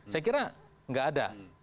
saya kira enggak ada